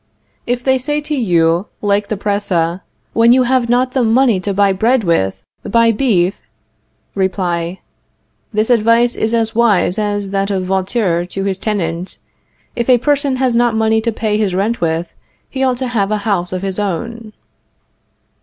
If they say to you, like the Presse: When you have not the money to buy bread with, buy beef Reply: This advice is as wise as that of Vautour to his tenant, "If a person has not money to pay his rent with, he ought to have a house of his own."